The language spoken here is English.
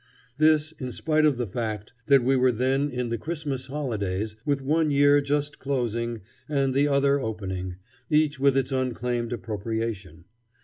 This in spite of the fact that we were then in the Christmas holidays with one year just closing and the other opening, each with its unclaimed appropriation.